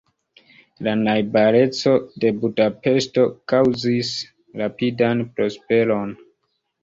La najbareco de Budapeŝto kaŭzis rapidan prosperon.